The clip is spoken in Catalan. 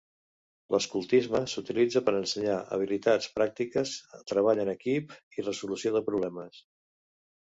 L'escoltisme s'utilitza per ensenyar habilitats pràctiques, treball en equip i resolució de problemes.